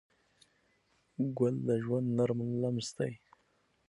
ګل د ژوند نرم لمس دی.